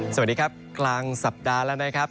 สวัสดีครับกลางสัปดาห์แล้วนะครับ